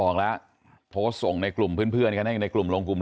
รู้จักคอมเม้นที่ผมโพสต์ไปก็อาจจะไปในทางห่วงให้เรื่องตลกของ